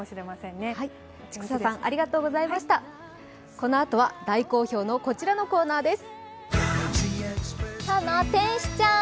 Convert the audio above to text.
このあとは大好評のこちらのコーナーです。